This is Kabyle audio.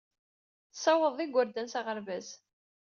Tessawaḍeḍ igerdan s aɣerbaz.